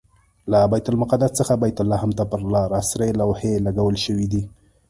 له بیت المقدس څخه بیت لحم ته پر لاره سرې لوحې لګول شوي دي.